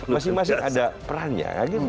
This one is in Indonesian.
masih masih ada perannya